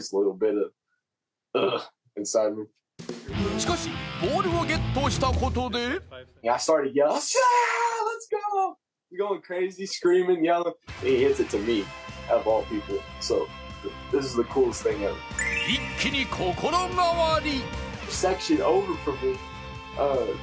しかし、ボールをゲットしたことで一気に心変わり。